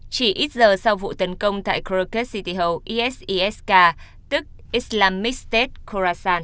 chỉ ít giờ sau vụ tấn công tại krakow city hall isis k tức islamic state khorasan